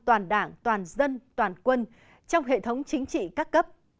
toàn đảng toàn dân toàn quân trong hệ thống chính trị các cấp